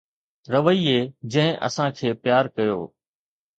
رويي جنهن اسان کي پيار ڪيو